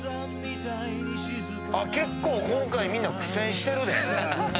結構今回みんな苦戦してるで。